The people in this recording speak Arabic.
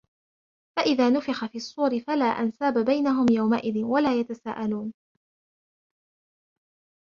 فَإِذَا نُفِخَ فِي الصُّورِ فَلَا أَنْسَابَ بَيْنَهُمْ يَوْمَئِذٍ وَلَا يَتَسَاءَلُونَ